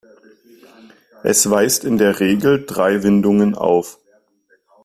Es weist in der Regel drei Windungen auf.